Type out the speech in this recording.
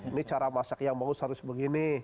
ini cara masak yang bagus harus begini